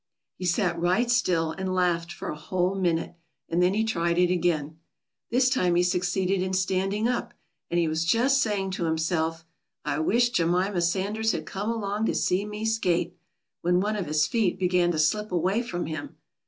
He sat right still and laughed for a whole minute, and then he tried it again. This time he succeeded in standing up, and he was just saying to himself, "I wish Jemima Sanders had come along to see me skate," when one of his feet began to slip away from him.